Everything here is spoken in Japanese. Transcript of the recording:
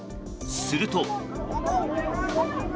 すると。